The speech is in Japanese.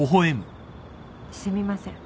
すみません。